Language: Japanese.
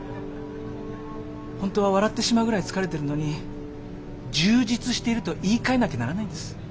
本当は笑ってしまうぐらい疲れてるのに充実していると言いかえなきゃならないんです。